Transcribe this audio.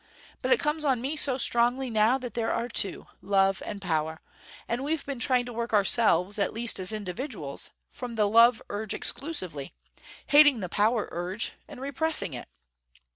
But it comes on me so strongly, now, that there are two: love, and power. And we've been trying to work ourselves, at least as individuals, from the love urge exclusively, hating the power urge, and repressing it.